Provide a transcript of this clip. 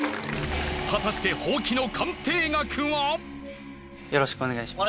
果たしてほうきのよろしくお願いします。